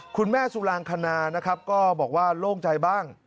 คุณแม่สุรางคณานะครับก็บอกว่าโล่งใจบ้าง